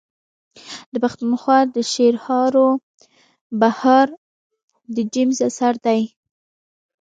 د پښتونخوا د شعرهاروبهار د جيمز اثر دﺉ.